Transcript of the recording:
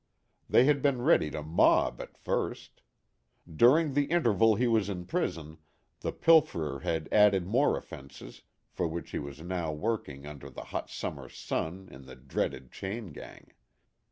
They had been ready to mob at first. During the interval he was in prison the pilferer had added more offenses, for which he was now working under 164 THE HAT OF THE POSTMASTER. the hot summer sun in the dreaded chain gang.